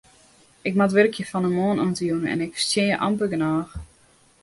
Ik moat wurkje fan de moarn oant de jûn en ik fertsjinje amper genôch.